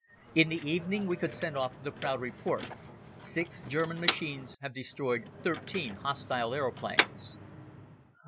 In the evening we could send off the proud report: "Six German machines have destroyed thirteen hostile aeroplanes."